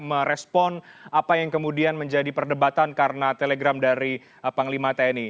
merespon apa yang kemudian menjadi perdebatan karena telegram dari panglima tni